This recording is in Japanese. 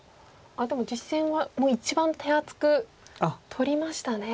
でも実戦はもう一番手厚く取りましたね。